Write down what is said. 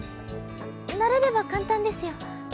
慣れれば簡単ですよ。